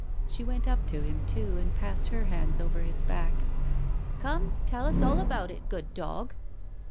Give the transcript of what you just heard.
She went up to him, too, and passed her hands over his back. "Come, tell us all about it, good dog."